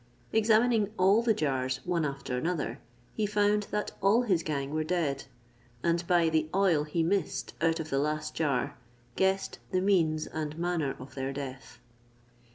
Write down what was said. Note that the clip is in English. Examining all the jars one after another, he found that all his gang were dead; and by the oil he missed out of the last jar guessed the means and manner of their death.